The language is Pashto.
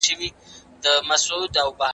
هوږه د بد کولېسټرول پر کمولو اغېز ونه ښود.